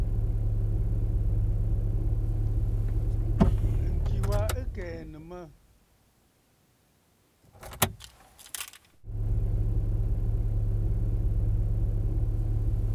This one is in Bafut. Ŋ̀ki wa ɨ kɛ̀ɛ̀nə̀ mə̂.